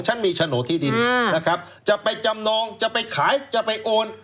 ฉันมีโฉนดที่ดินนะครับจะไปจำนองจะไปขายจะไปโอน